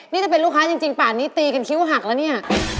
นี่ถ้าเป็นลูกค้าจริงป่านนี้ตีกันคิ้วหักแล้วเนี่ย